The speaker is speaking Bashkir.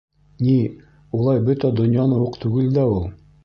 Ни, улай бөтә донъяны уҡ түгел дә ул.